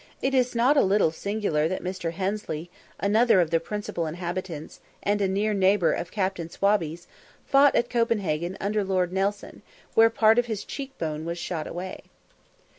It is not a little singular that Mr. Hensley, another of the principal inhabitants, and a near neighbour of Captain Swabey's, fought at Copenhagen under Lord Nelson, where part of his cheek bone was shot away.